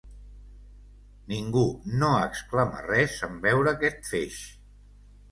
Ningú no exclama res en veure aquest feix.